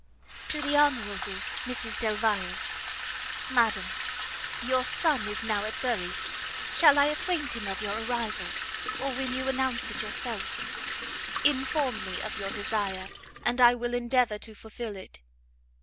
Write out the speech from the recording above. To the Hon. Mrs Delvile. MADAM, Your son is now at Bury; shall I acquaint him of your arrival? or will you announce it yourself? Inform me of your desire, and I will endeavour to fulfil it.